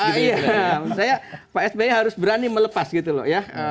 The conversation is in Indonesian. iya saya pak sby harus berani melepas gitu loh ya